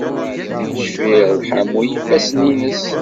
Cfiɣ i lḥamu n yifassen-nnes.